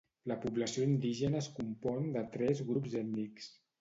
La població indígena es compon de tres grups ètnics.